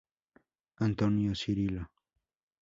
Antônio Cirilo.